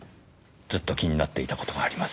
ずっと気になっていた事があります。